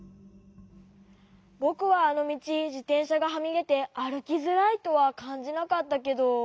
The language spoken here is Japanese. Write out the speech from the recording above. ぼくはあのみちじてんしゃがはみでてあるきづらいとはかんじなかったけど。